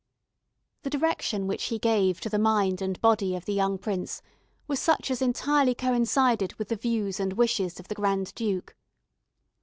The direction which he gave to the mind and body of the young prince were such as entirely coincided with the views and wishes of the Grand Duke.